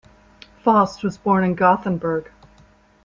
Fasth was born in Gothenburg.